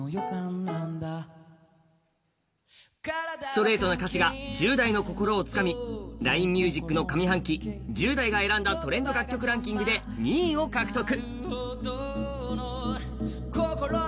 ストレートな歌詞が１０代の心をつかみＬＩＮＥＭＵＳＩＣの上半期１０代が選んだトレンドランキングで２位を獲得。